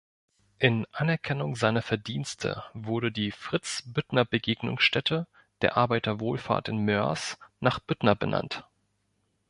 In Anerkennung seiner Verdienste wurde die „Fritz-Büttner-Begegnungsstätte“ der Arbeiterwohlfahrt in Moers nach Büttner benannt.